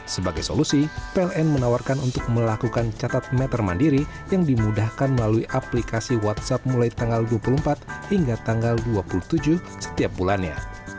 sebagai solusi pln menawarkan untuk melakukan catat meter mandiri yang dimudahkan melalui aplikasi whatsapp mulai tanggal dua puluh empat hingga tanggal dua puluh tujuh setiap bulannya